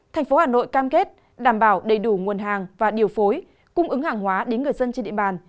thành phố hà nội cam kết đảm bảo đầy đủ nguồn hàng và điều phối cung ứng hàng hóa đến người dân trên địa bàn